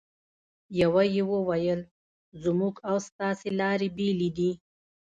یوه یې وویل: زموږ او ستاسې لارې بېلې دي.